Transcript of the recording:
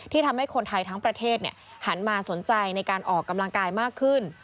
ทำให้คนไทยทั้งประเทศหันมาสนใจในการออกกำลังกายมากขึ้น